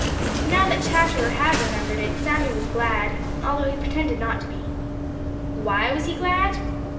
Now that Chatterer had remembered it, Sammy was glad, although he pretended not to be. Why was he glad?